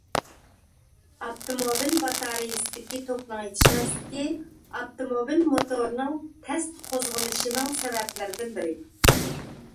ئاپتوموبىل باتارېيەسىدىكى توكنىڭ يېتىشمەسلىكى ئاپتوموبىل موتورىنىڭ تەستە قوزغىلىشىنىڭ سەۋەبلىرىدىن بىرى.